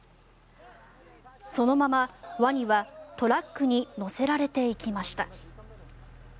そのままワニは、トラックに乗せられていきました。